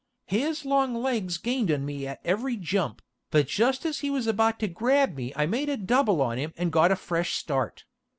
His long legs gained on me at every jump, but just as he was about to grab me I made a double on him, and got a fresh start.